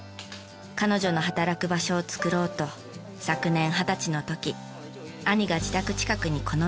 彼女の働く場所を作ろうと昨年二十歳の時兄が自宅近くにこの店をオープン。